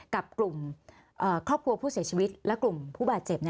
กับกลุ่มครอบครัวผู้เสียชีวิตและกลุ่มผู้บาดเจ็บ